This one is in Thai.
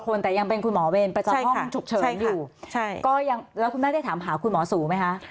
คุณแม่ได้ถามคุณหมอสูไหมคะ